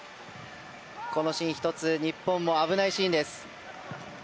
このシーン１つ、日本も危ないシーンです。